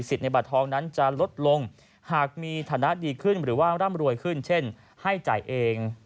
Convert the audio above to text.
ในบัตรทองนั้นจะลดลงหากมีฐานะดีขึ้นหรือว่าร่ำรวยขึ้นเช่นให้จ่ายเอง